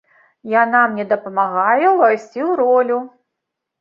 Яна мне дапамагае ўвайсці ў ролю.